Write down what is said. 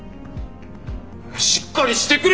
しっかりしてくれよ！